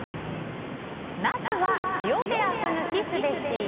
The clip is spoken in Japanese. ナスは塩でアク抜きすべし。